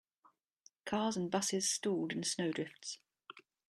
Cars and busses stalled in snow drifts.